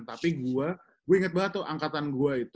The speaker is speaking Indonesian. tapi gue gue inget banget tuh angkatan gua itu